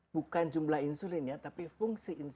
bukan jumlah insulin ya tapi fungsi insulin